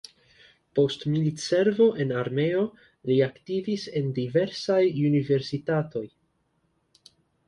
Post militservo en armeo, li aktivis en diversaj universitatoj.